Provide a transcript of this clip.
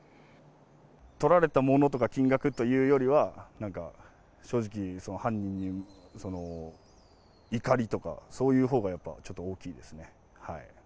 とられた物とか金額というよりは、なんか、正直、犯人に怒りとか、そういうほうがやっぱちょっと大きいですね。